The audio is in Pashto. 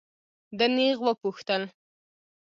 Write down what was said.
ده نېغ وپوښتل.